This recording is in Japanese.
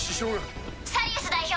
サリウス代表。